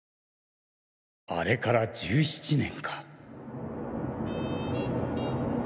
あれから１７年か